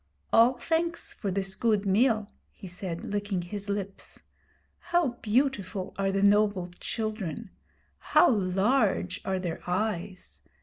'All thanks for this good meal,' he said, licking his lips. 'How beautiful are the noble children! How large are their eyes!